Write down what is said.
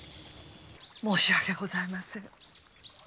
申し訳ございません。